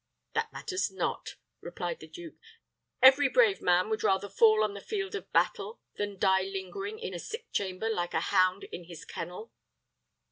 "That matters not," replied the duke. "Every brave man would rather fall on the field of battle than die lingering in a sick chamber, like a hound in his kennel."